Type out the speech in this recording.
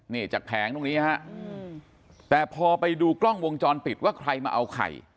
นี่จากแผงตรงนี้ฮะแต่พอไปดูกล้องวงจรปิดว่าใครมาเอาไข่